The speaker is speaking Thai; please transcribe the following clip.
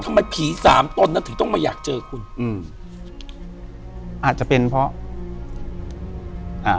ทำไมผีสามตนนั้นถึงต้องมาอยากเจอคุณอืมอาจจะเป็นเพราะอ่า